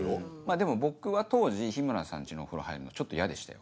でも僕は当時日村さん家のお風呂入るのちょっと嫌でしたよ。